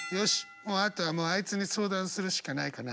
もうあとはあいつに相談するしかないかな。